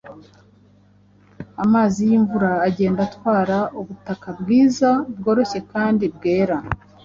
amazi y’imvura agenda atwara ubutaka bwiza bworoshye kandi bwera.